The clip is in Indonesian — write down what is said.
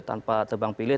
tanpa terbang pilih